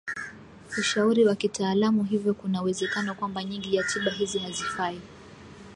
ushauri wa kitaalamu hivyo kuna uwezekano kwamba nyingi ya tiba hizi hazifai